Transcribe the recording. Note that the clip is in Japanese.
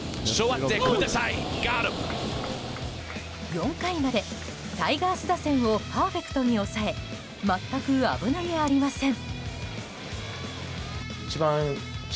４回までタイガース打線をパーフェクトに抑え全く危なげありません。